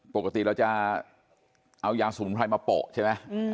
ปกติเราจะเอายาสมุนไพรมาโปะใช่ไหม